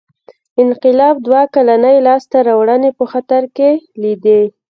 انقلاب دوه کلنۍ لاسته راوړنې په خطر کې لیدې.